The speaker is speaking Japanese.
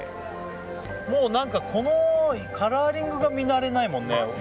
もう、このカラーリングが見慣れないもんね。